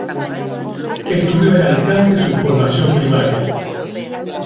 Estudió en Alicante su formación primaria.